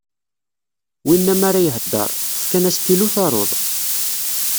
Winna m'ara ihedder, ṭṭef kan astilu taruḍ.